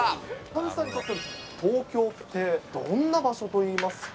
丸さんにとって、東京ってどんな場所といいますか。